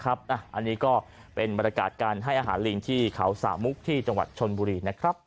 อันนี้ก็เป็นบรรยากาศการให้อาหารลิงที่เขาสามุกที่จังหวัดชนบุรีนะครับ